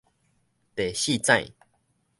第四指